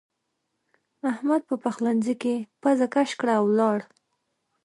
احمد په پخلنځ کې پزه کش کړه او ولاړ.